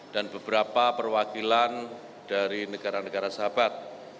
dan beberapa perwakilan dari negara negara sahabat